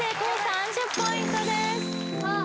３０ポイントですあっ